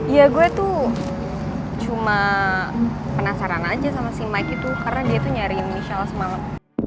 ya gue tuh cuma penasaran aja sama si mike itu karena dia tuh nyari indonesia semalam